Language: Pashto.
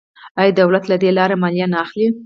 آیا دولت له دې لارې مالیه نه اخلي؟